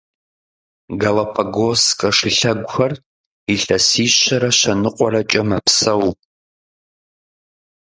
Галапагосскэ шылъэгухэр илъэсищэрэ щэныкъуэрэкӏэ мэпсэу.